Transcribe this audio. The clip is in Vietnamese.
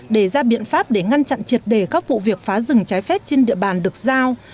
để ra biện pháp để ngăn chặn triệt đề các vụ việc phá rừng trái phép trên địa bàn được giao